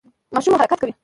ماشوم مو حرکت کوي؟